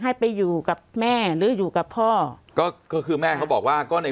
ให้ไปอยู่กับแม่หรืออยู่กับพ่อก็คือแม่เขาบอกว่าก็ใน